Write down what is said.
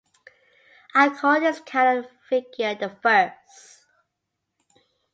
I call this kind of figure the First.